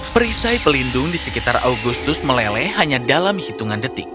perisai pelindung di sekitar augustus meleleh hanya dalam hitungan detik